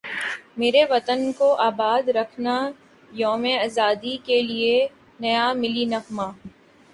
میرے وطن کو اباد رکھنایوم ازادی کے لیے نیا ملی نغمہ